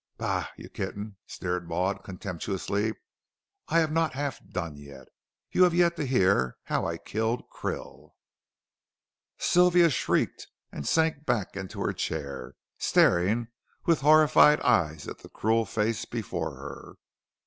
"Bah, you kitten," sneered Maud, contemptuously, "I have not half done yet. You have yet to hear how I killed Krill." Sylvia shrieked, and sank back in her chair, staring with horrified eyes at the cruel face before her.